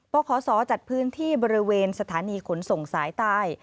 ขสจัดพื้นที่บริเวณสถานีขนส่งสายใต้